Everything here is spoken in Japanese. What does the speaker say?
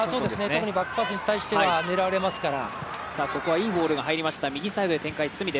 特にバックパスに対しては狙われますから。